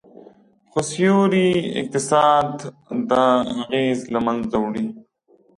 خو سیوري اقتصاد دا اغیز له منځه وړي